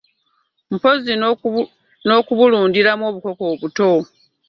Mpozzi n'okubulundiramu obukoko obuto